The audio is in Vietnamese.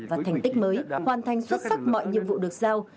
và thành tích mới hoàn thành xuất sắc mọi nhiệm vụ được giao